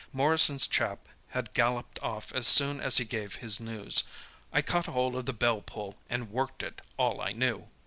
Morrison's chap had galloped off as soon as he gave his news. I caught hold of the bell pull and worked it all I knew!